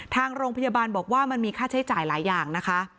ทางโรงพยาบาลบอกว่ามันมีค่าใช้จ่ายหลายอย่างนะคะ